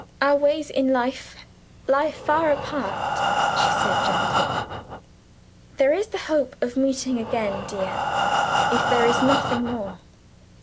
"Our ways in life lie far apart," she said gently. "There is the hope of meeting again, dear if there is nothing more."